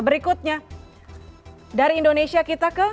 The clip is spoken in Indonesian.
berikutnya dari indonesia kita ke